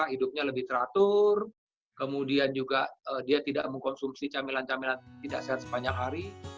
hidupnya lebih teratur kemudian juga dia tidak mengkonsumsi camilan camilan tidak sehat sepanjang hari